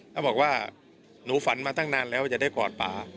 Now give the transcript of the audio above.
แล้วบอกว่าหนูฝันมาตั้งนานแล้วจะได้กอดป่า